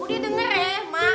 udah denger ya ma